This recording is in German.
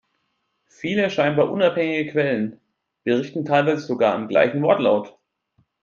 Viele scheinbar unabhängige Quellen, berichten teilweise sogar im gleichen Wortlaut.